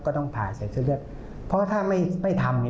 ก็ต้องถ่ายเสื้อเลือดเพราะถ้าไม่ทำ